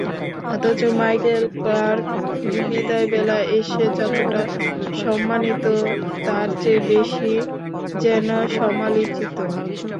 অথচ Michael Clarke বিদায়বেলায় এসে যতটা সম্মানিত, তার চেয়ে বেশি যেন সমালোচিত।